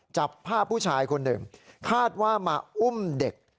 จับภาพผู้ชายคนหนึ่งคาดว่ามาอุ้มเด็ก